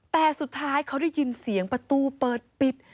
แต่สุดท้ายเขาได้ยินเสียงประตูเปิดปิด